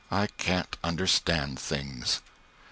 I can't understand things.